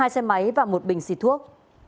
hai xe máy và một bình xịt thuốc